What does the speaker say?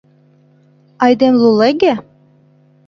— Айдемлулеге?